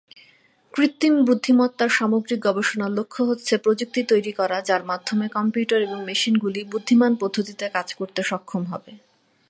কৃত্রিম বুদ্ধিমত্তার সামগ্রিক গবেষণার লক্ষ্য হচ্ছে প্রযুক্তি তৈরি করা যার মাধ্যমে কম্পিউটার এবং মেশিনগুলি বুদ্ধিমান পদ্ধতিতে কাজ করতে সক্ষম হবে।